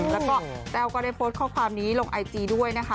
แล้วก็แต้วก็ได้โพสต์ข้อความนี้ลงไอจีด้วยนะคะ